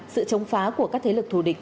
sự chống phá của các thế lực thù địch